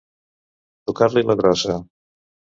Tocar-li la grossa.